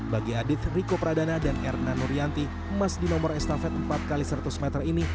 bagi adit riko pradana dan erna nurianti emas di nomor estafet empat x seratus meter ini